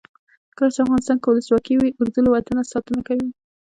کله چې افغانستان کې ولسواکي وي اردو له وطنه ساتنه کوي.